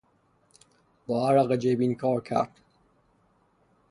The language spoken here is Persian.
با عرق جبین کار کرد.